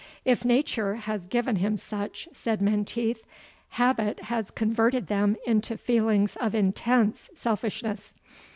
"If nature has given him such," said Menteith, "habit has converted them into feelings of intense selfishness.